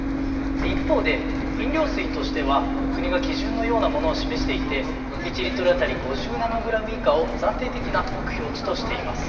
一方で飲料水としては国が基準のようなものを示していて１リットル当たり５０ナノグラム以下を暫定的な目標値としています。